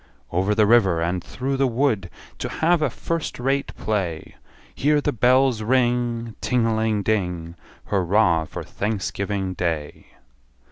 Over the river, and through the wood, To have a first rate play Hear the bells ring Ting a ling ding, Hurra for Thanksgiving Day!